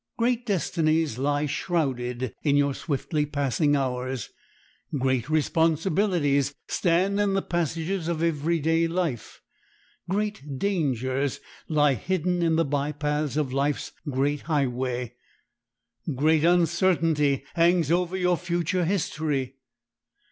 Great destinies lie shrouded in your swiftly passing hours; great responsibilities stand in the passages of every day life; great dangers lie hidden in the by paths of life's great highway; great uncertainty hangs over your future history.